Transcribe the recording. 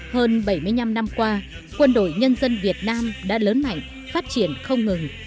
trong hai mươi năm năm qua quân đội nhân dân việt nam đã lớn mạnh phát triển không ngừng